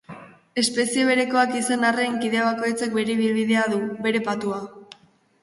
Espezie berekoak izan arren, kide bakoitzak bere ibilbidea du, bere patua.